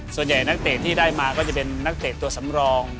ส่วนใหญ่นักเตะที่ได้มาก็จะเป็นนักเตะตัวสำรอง